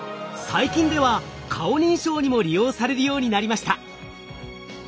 最近では顔認証にも利用されるようになりました。